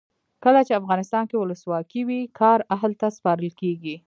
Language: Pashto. کله چې افغانستان کې ولسواکي وي کار اهل ته سپارل کیږي.